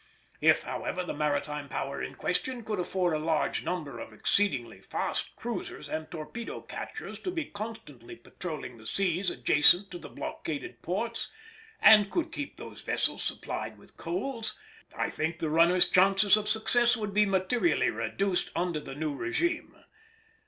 If, however, the maritime Power in question could afford a large number of exceedingly fast cruisers and torpedo catchers to be constantly patrolling the seas adjacent to the blockaded ports, and could keep those vessels supplied with coals, I think the runner's chances of success would be materially reduced under the new regime.